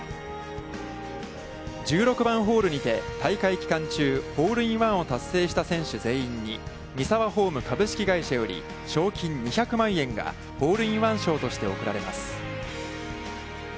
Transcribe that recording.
１６番ホールにて大会期間中ホールインワンを達成した選手全員にミサワホーム株式会社より賞金２００万円がホールインワン賞として贈られます。